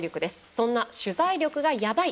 そんな取材力がヤバい！